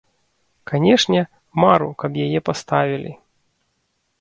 Канечне, мару, каб яе паставілі.